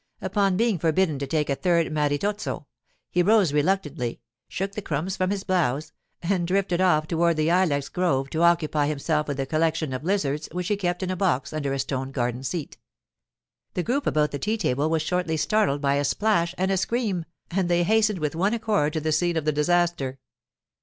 Upon being forbidden to take a third maritozzo, he rose reluctantly, shook the crumbs from his blouse, and drifted off toward the ilex grove to occupy himself with the collection of lizards which he kept in a box under a stone garden seat. The group about the tea table was shortly startled by a splash and a scream, and they hastened with one accord to the scene of the disaster.